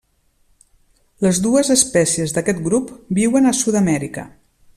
Les dues espècies d'aquest grup viuen a Sud-amèrica.